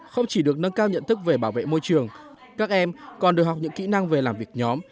không chỉ được nâng cao nhận thức về bảo vệ môi trường các em còn được học những kỹ năng về làm việc nhóm